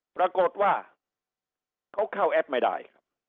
ปรากฏว่าเขาเข้าแอดไม่ได้